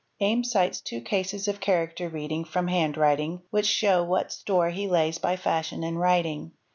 Ames cites two cases of character reading — from handwriting which show what store he lays by fashion in writing.